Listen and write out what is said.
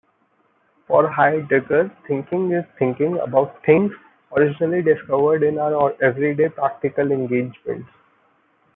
For Heidegger thinking is thinking "about" things originally discovered in our everyday practical engagements.